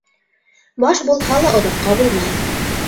Баш булһа ла оҙаҡҡа булмаҫ.